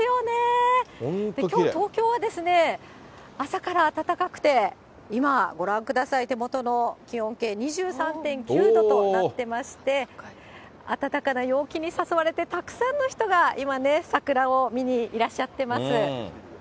きょう、東京はですね、朝から暖かくて、今、ご覧ください、手元の気温計２３．９度となってまして、暖かな陽気に誘われてたくさんの人が今ね、桜を見にいらっしゃってます。